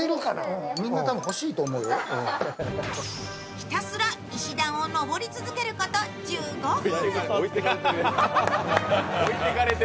ひたすら石段を登り続けること１５分。